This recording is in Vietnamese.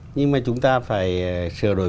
nhưng mà chúng ta phải sửa đổi